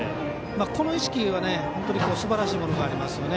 この意識は本当にすばらしいものがありますよね。